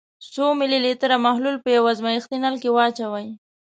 څو ملي لیتره محلول په یو ازمیښتي نل کې واچوئ.